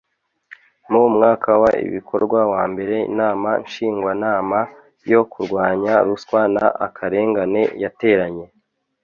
Mu mwaka w ibikorwa wambere Inama Ngishwanama yo kurwanya Ruswa n Akarengane yateranye